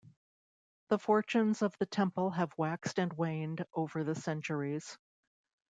The fortunes of the temple have waxed and waned over the centuries.